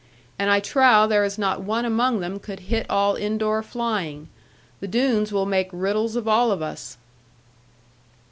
And I trow there is not one among them could hit all in door flying. The Doones will make riddles of all of us.'